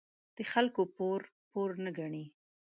د خلکو پور، پور نه گڼي.